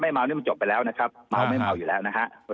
เมานี่มันจบไปแล้วนะครับเมาไม่เมาอยู่แล้วนะครับ